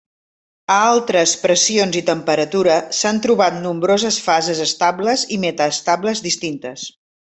A altres pressions i temperatura s'han trobat nombroses fases estables i metaestables distintes.